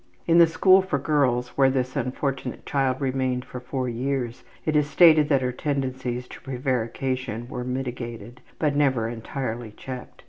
In the school for girls, where this unfortunate child remained for four years, it is stated that her tendencies to prevarication were mitigated, but never entirely checked.